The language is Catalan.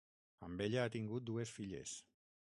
Amb ella ha tingut dues filles.